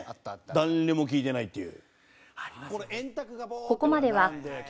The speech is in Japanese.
誰も聞いてないっていう。